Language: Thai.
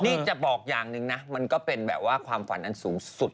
นี่จะบอกอย่างหนึ่งนะมันก็เป็นแบบว่าความฝันอันสูงสุด